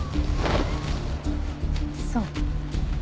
そう。